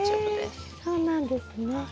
へえそうなんですね。